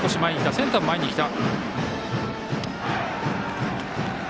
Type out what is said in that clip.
センターも前に来た。